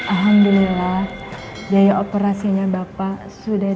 alhamdulillah biaya operasinya bapak sudah